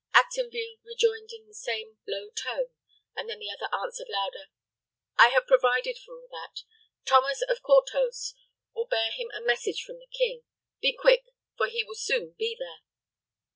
Actonville rejoined in the same low tone; and then the other answered, louder, "I have provided for all that. Thomas of Courthose will bear him a message from the king. Be quick; for he will soon be there."